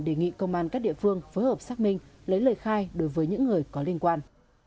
đề nghị công an các địa phương phối hợp xác minh lấy lời khai đối với những người có liên quan